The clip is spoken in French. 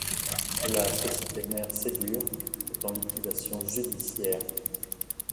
La société mère Segur est en liquidation judiciaire.